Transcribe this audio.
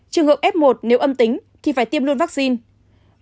trường hợp f một nếu âm tính thì phải tiêm luôn vaccine